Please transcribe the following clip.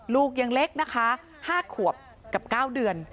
ลูกยังเล็กนะคะ๕ขวบกับ๙เดือน